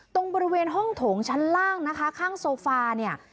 ตรงบริเวณห้องโถงชั้นล่างนะคะข้างโซฟาเนี่ย